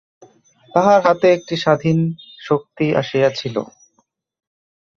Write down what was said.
তাহার হাতে একটি স্বাধীন শক্তি আসিয়াছিল।